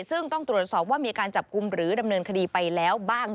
ซึ่งต้องตรวจสอบว่ามีการจับกลุ่มหรือดำเนินคดีไปแล้วบ้าง